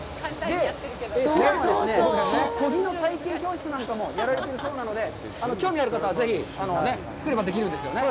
研ぎの体験教室なんかもやられているそうなので、興味のある方はぜひ、来ればできるんですよね。